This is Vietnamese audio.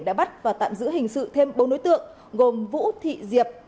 đã bắt và tạm giữ hình sự thêm bốn đối tượng gồm vũ thị diệp